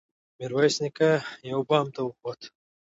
ميرويس نيکه يوه بام ته وخوت.